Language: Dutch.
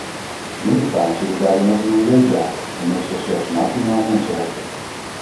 Minder vaak zitten daarin ook milieuzaken en meestal slechts marginaal mensenrechten.